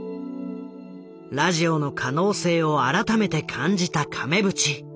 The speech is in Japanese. ラジオの可能性を改めて感じた亀渕。